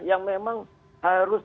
yang memang harus